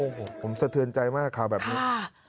โอ้โหผมสะเทือนใจมากข่าวแบบนี้